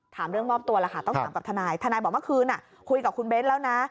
ถามเรื่องมอบตัวแล้วค่ะต้องถามกับทนายทนายบอกเมื่อคืนคุยกับคุณเบ้นแล้วนะ